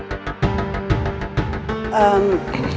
bukan soal urusan bisnis